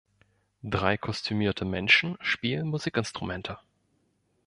Drei kostümierte Menschen spielen Musikinstrumente